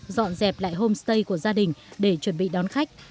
dọn dẹp lại homestay của gia đình để chuẩn bị đón khách